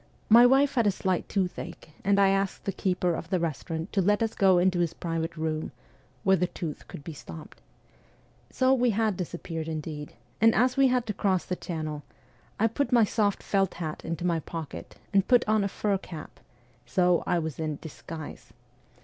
My wife had a slight toothache, and I asked the keeper of the restaurant to let us go into his private room, where the tooth could be stopped. So we had disappeared indeed; and as we had to cross the channel, I put my soft felt hat into my pocket and put on a fur cap : so I was ' in disguise.'